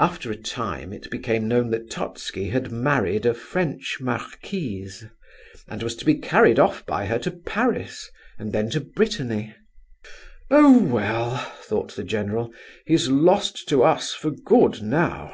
After a time it became known that Totski had married a French marquise, and was to be carried off by her to Paris, and then to Brittany. "Oh, well," thought the general, "he's lost to us for good, now."